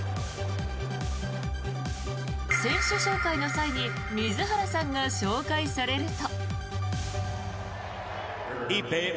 選手紹介の際に水原さんが紹介されると。